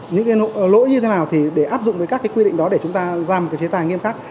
những cái lỗi như thế nào thì để áp dụng với các cái quy định đó để chúng ta ra một cái chế tài nghiêm khắc